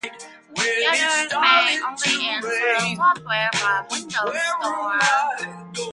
Users may only install software from Windows Store.